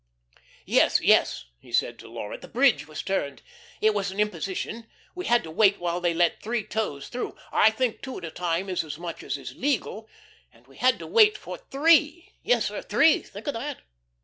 "Yes, yes," he said to Laura, "the bridge was turned. It was an imposition. We had to wait while they let three tows through. I think two at a time is as much as is legal. And we had to wait for three. Yes, sir; three, think of that!